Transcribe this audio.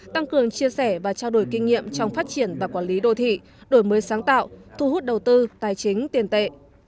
tăng cường chia sẻ và trao đổi kinh nghiệm trong phát triển và quản lý đô thị đổi mới sáng tạo thu hút đầu tư tài chính tiền tệ